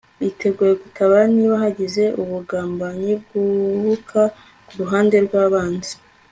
biteguye gutabara niba hagize ubugambanyi bwubuka ku ruhande rw'abanzi